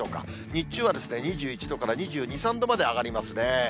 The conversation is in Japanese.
日中は２１度から２２、３度まで上がりますね。